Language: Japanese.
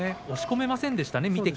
押し込めませんでしたね